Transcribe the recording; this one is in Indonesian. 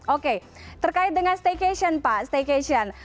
oke terkait dengan staycation pak staycation